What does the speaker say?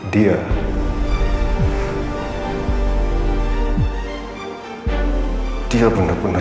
jangan trzeba menyerah kulit kristen masuk delapan